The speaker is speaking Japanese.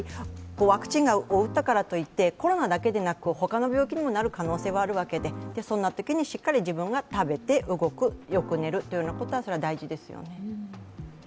ワクチンを打ったからといってコロナだけではなく他の病気にもなる可能性はあるわけで、そんなときに、しっかり食べて動くよく寝るということは大事ですよね。